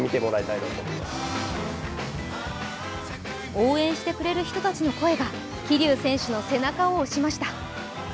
応援してくれる人たちの声が桐生選手の背中を押しました。